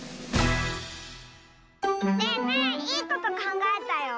ねえねえいいことかんがえたよ。